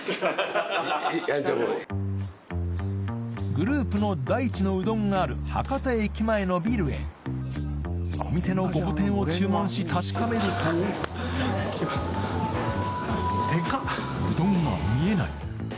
グループの大地のうどんがある博多駅前のビルへお店のごぼ天を注文し確かめるとうどんが見えない